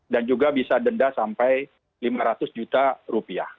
dan juga bisa denda sampai lima ratus juta rupiah